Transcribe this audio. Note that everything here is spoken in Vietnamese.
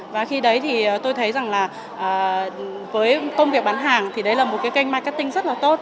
và khi đấy thì tôi thấy rằng là với công việc bán hàng thì đấy là một cái kênh marketing rất là tốt